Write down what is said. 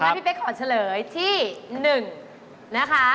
พี่เป๊กขอเฉลยที่๑นะคะ